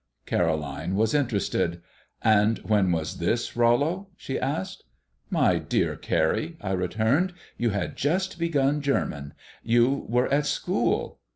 Caroline was interested. "And when was this, Rollo?" she asked. "My dear Carrie," I returned, "you had just begun German; you were at school.